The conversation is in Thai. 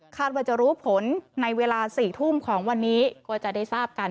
ว่าจะรู้ผลในเวลา๔ทุ่มของวันนี้ก็จะได้ทราบกัน